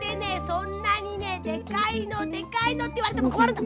そんなにねでかいのでかいのっていわれてもこまるんだ！